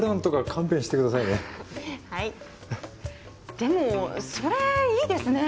でもそれいいですね。